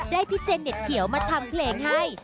พี่เจนเน็ตเขียวมาทำเพลงให้